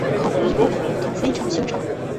口鼻部的骨头非常修长。